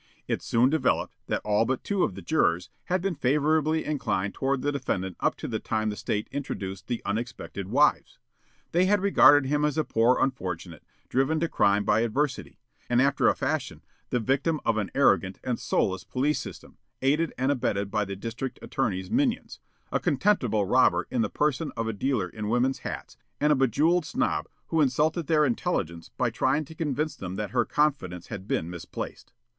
It soon developed that all but two of the jurors had been favorably inclined toward the defendant up to the time the State introduced the unexpected wives. They had regarded him as a poor unfortunate, driven to crime by adversity, and after a fashion the victim of an arrogant and soulless police system, aided and abetted by the District Attorney's minions, a contemptible robber in the person of a dealer in women's hats, and a bejeweled snob who insulted their intelligence by trying to convince them that her confidence had been misplaced.